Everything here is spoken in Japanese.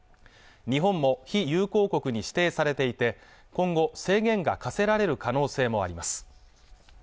日本も非友好国に指定されていて今後制限が課せられる可能性もあります